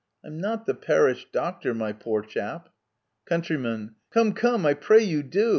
I'm not the parish doctor, my poor chap. Count Come ! come ! I pray you, do